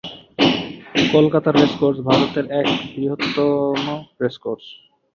কলকাতার রেসকোর্স ভারতের এক বৃহত্তম রেসকোর্স।